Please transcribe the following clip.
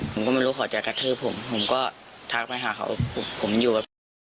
ผมก็ไม่รู้ขอจะกระทืบผมผมก็ทักไปหาเขาว่าผมอยู่